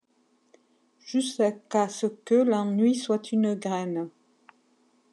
Jusqu'à ce que l'ennui soit une graine.